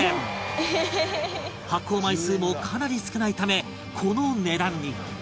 発行枚数もかなり少ないためこの値段に